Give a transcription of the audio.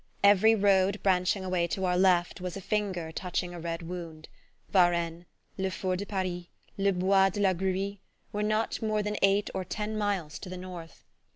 Every road branching away to our left was a finger touching a red wound: Varennes, le Four de Paris, le Bois de la Grurie, were not more than eight or ten miles to the north.